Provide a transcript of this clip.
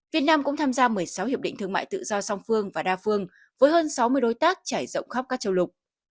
việt nam cũng tham gia một mươi sáu hiệp định thương mại tự do song phương và đa phương với hơn sáu mươi đối tác trải rộng khắp các châu lục